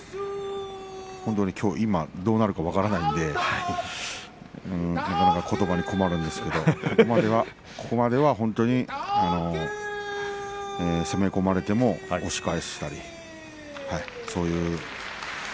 本当に今どうなるか分からないのでなかなかことばに困るんですけどここまでは本当に攻め込まれても押し返したりそういう。